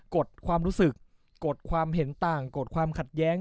กดความรู้สึกกดความเห็นต่างกดความขัดแย้ง